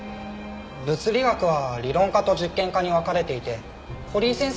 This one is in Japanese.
物理学は理論家と実験家に分かれていて堀井先生は理論のほうなんです。